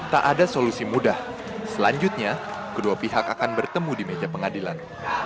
tak ada solusi mudah selanjutnya kedua pihak akan bertemu di meja pengadilan